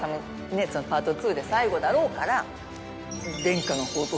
パート２で最後だろうから。